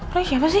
roy siapa sih